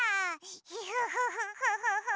フフフフ。